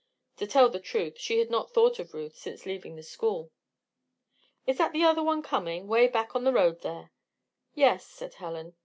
To tell the truth, she had not thought of Ruth since leaving the school. "Is that the other one coming 'way back on the road there?" "Yes," said Helen.